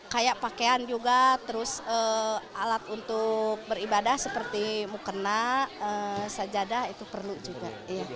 kayak pakaian juga terus alat untuk beribadah seperti mukena sajadah itu perlu juga